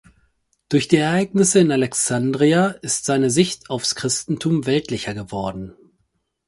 Durch die Ereignisse in Alexandria ist seine Sicht aufs Christentum weltlicher geworden.